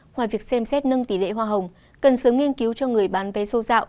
ngoài việc xem xét nâng tỷ lệ hoa hồng cần sớm nghiên cứu cho người bán vé số dạo